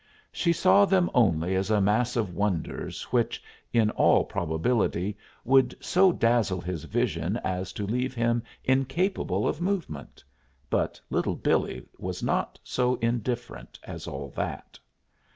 She saw them only as a mass of wonders which, in all probability, would so dazzle his vision as to leave him incapable of movement; but Little Billee was not so indifferent as all that.